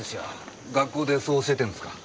学校でそう教えてるんですか？